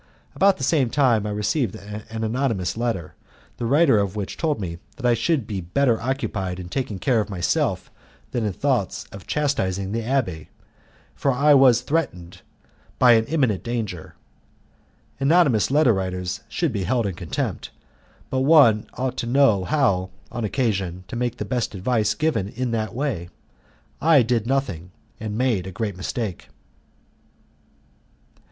About the same time I received an anonymous letter, the writer of which told me that I should be better occupied in taking care of myself than in thoughts of chastising the abbé, for I was threatened by an imminent danger. Anonymous letter writers should be held in contempt, but one ought to know how, on occasion, to make the best of advice given in that way. I did nothing, and made a great mistake.